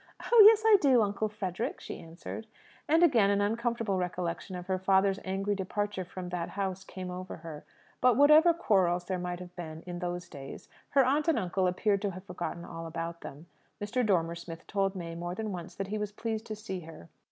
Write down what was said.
"Oh yes, I do, Uncle Frederick!" she answered. And again an uncomfortable recollection of her father's angry departure from that house came over her. But whatever quarrels there might have been in those days, her aunt and uncle appeared to have forgotten all about them. Mr. Dormer Smith told May more than once that he was pleased to see her.